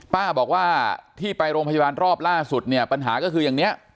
ป้าบอกว่าที่ไปโรงพยาบาลรอบล่าสุดเนี่ยปัญหาก็คืออย่างนี้